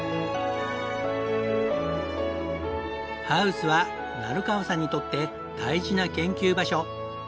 ハウスは成川さんにとって大事な研究場所。